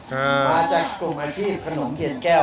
มาจากกลุ่มอาชีพขนมเทียนแก้ว